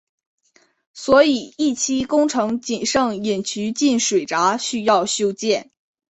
所以一期工程仅剩引渠进水闸需要修建。